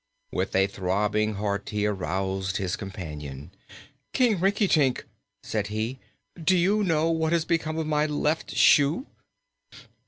With a throbbing heart he aroused his companion. "King Rinkitink," said he, "do you know what has become of my left shoe?"